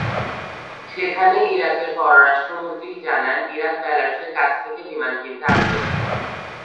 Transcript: সেখানে, ইরাকের পররাষ্ট্র মন্ত্রী জানান, ইরাক বেলারুশের কাছ থেকে বিমান কিনতে আগ্রহী।